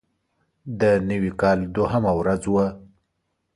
د نوي کال دوهمه ورځ وه.